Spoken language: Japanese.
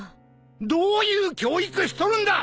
どういう教育しとるんだ！